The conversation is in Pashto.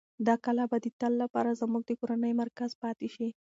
دا کلا به د تل لپاره زموږ د کورنۍ مرکز پاتې شي.